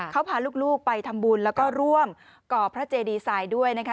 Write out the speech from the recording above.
เขาพาลูกไปทำบุญแล้วก็ร่วมก่อพระเจดีไซน์ด้วยนะคะ